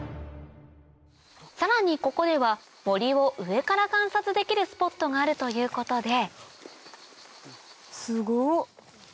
さらにここでは森を上から観察できるスポットがあるということですごっ。